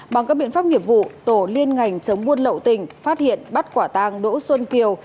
bằng các biện pháp nghiệp vụ tổ liên ngành chống buôn lậu tỉnh phát hiện bắt quả tàng đỗ xuân kiều